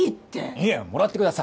いえもらってください。